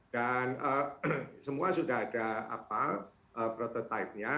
dan semua sudah ada prototipnya